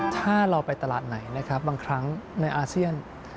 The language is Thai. ถ้าเราไปตลาดไหนนะครับบางครั้งในอาเซียน